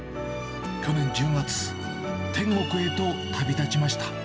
去年１０月、天国へと旅立ちました。